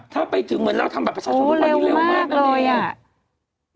ถ้าไปถึงเหมือนเราทำบัตรประชาชนทุกวันนี้เร็วมากเลยอ่ะ